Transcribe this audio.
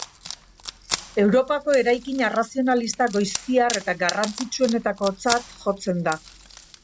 Europako eraikin arrazionalista goiztiar eta garrantzitsuenetakotzat jotzen da.